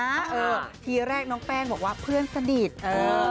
เออทีแรกน้องแป้งบอกว่าเพื่อนสนิทเออ